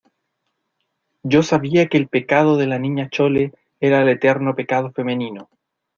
yo sabía que el pecado de la Niña Chole era el eterno pecado femenino